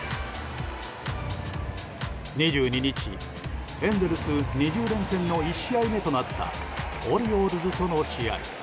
２２日、エンゼルス２０連戦の１試合目となったオリオールズとの試合。